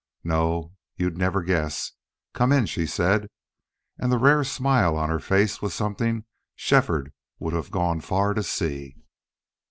"No. You'd never guess. Come in," she said, and the rare smile on her face was something Shefford would have gone far to see.